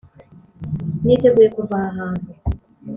niteguye kuva aha hantu.